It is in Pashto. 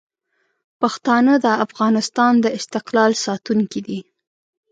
پښتانه د افغانستان د استقلال ساتونکي دي.